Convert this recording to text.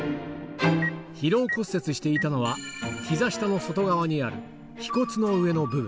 疲労骨折していたのは、ひざ下の外側にある腓骨の上の部分。